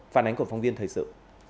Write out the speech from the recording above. phản ánh của phóng viên thời sự